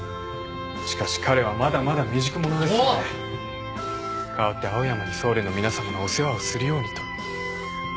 しかし彼はまだまだ未熟者ですので代わって青山に太陽の皆さまのお世話をするようにと。